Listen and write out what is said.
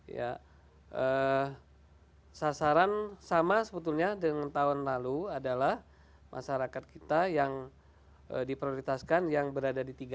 ya sasaran sama sebetulnya dengan tahun lalu adalah masyarakat kita yang diprioritaskan yang berada di tiga